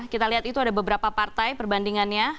kita lihat itu ada beberapa partai perbandingannya